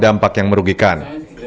membawa dampak yang merugikan